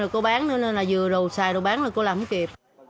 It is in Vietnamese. cô bán nữa vừa rồi xài rồi bán cô làm không kịp